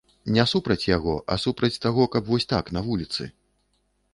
Не супраць яго, а супраць таго, каб вось так, на вуліцы.